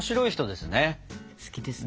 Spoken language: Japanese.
好きですね。